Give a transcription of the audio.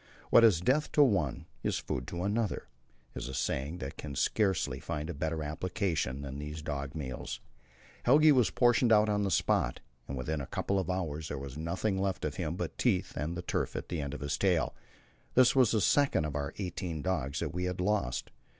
"What is death to one is food to another," is a saying that can scarcely find a better application than these dog meals. Helge was portioned out on the spot, and within a couple of hours there was nothing left of him but his teeth and the tuft at the end of his tail. This was the second of our eighteen dogs that we had lost.